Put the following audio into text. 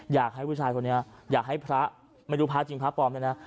อยากให้ผู้ชายคนนี้อยากให้พระไม่รู้พระจริงหรือพระพลจะนะ